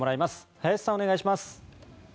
林さん、お願いします。